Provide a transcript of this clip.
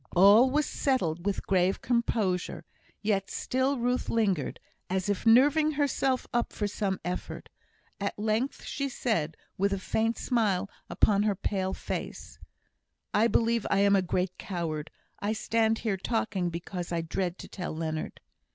All was settled with grave composure; yet still Ruth lingered, as if nerving herself up for some effort. At length she said, with a faint smile upon her pale face: "I believe I am a great coward. I stand here talking because I dread to tell Leonard."